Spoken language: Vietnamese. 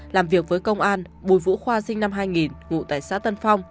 làm việc với công an bùi vũ khoa sinh năm hai nghìn ngụ tại xã tân phong